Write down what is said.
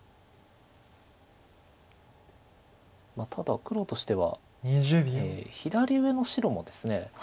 ただ黒としては左上の白もですね